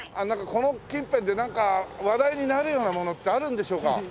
この近辺でなんか話題になるようなものってあるんでしょうか？